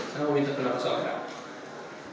saya mau minta penampasan pak